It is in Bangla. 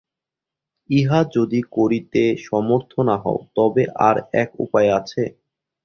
ইহা যদি করিতে সমর্থ না হও, তবে আর এক উপায় আছে।